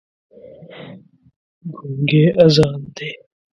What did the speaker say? ګونګی اذان دی